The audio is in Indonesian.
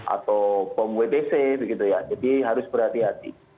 atau bom wdc begitu ya jadi harus berhati hati